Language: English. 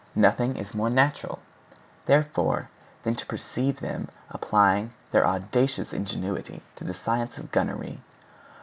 Nothing is more natural, therefore, than to perceive them applying their audacious ingenuity to the science of gunnery.